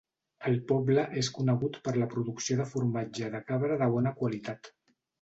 El poble és conegut per la producció de formatge de cabra de bona qualitat.